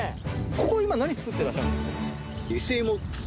ここ今何作ってらっしゃるんですか？